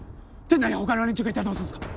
店内にほかの連中がいたらどうすんですか？